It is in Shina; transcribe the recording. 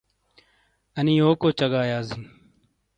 انی یوکو چگاک یازی ؟